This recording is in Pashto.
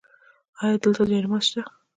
ایا دلته جای نماز شته؟